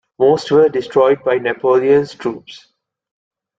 Most were destroyed by Napoleon's troops.